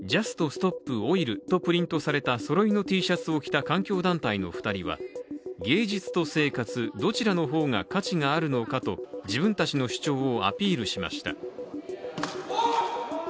「ＪＵＳＴＳＴＯＰＯＩＬ」とプリントされたそろいのＴシャツを着た環境団体の２人は芸術と生活、どちらの方が価値があるのかと自分たちの主張をアピールしました。